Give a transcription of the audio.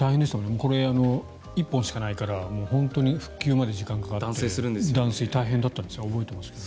これ、１本しかないから本当に復旧まで時間がかかって断水が大変だったんですよね。